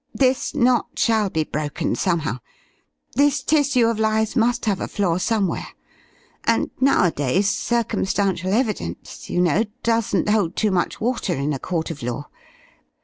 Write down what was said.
This knot shall be broken somehow, this tissue of lies must have a flaw somewhere. And nowadays circumstantial evidence, you know, doesn't hold too much water in a court of law.